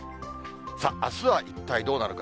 さあ、あすは一体どうなるか。